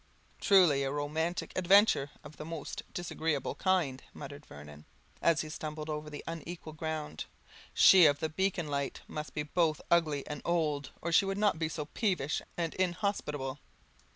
"Truly a romantic adventure of the most disagreeable kind," muttered Vernon, as he stumbled over the unequal ground: "she of the beacon light must be both ugly and old, or she would not be so peevish and inhospitable."